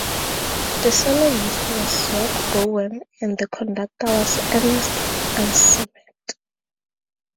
The soloist was York Bowen and the conductor was Ernest Ansermet.